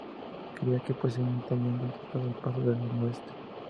Creía que posiblemente había identificado un Paso del Noroeste.